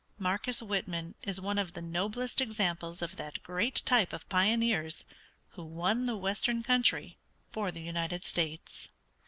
Marcus Whitman is one of the noblest examples of that great type of pioneers who won the western country for the United States.